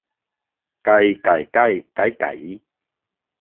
ไก ไก่ ไก้ ไก๊ ไก๋